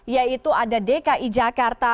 yaitu ada dki jakarta